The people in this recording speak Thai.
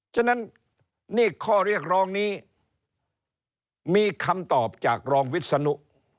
ฉะนั้นนี่ข้อเรียกร้องนี้มีคำตอบจากรองวิศนุ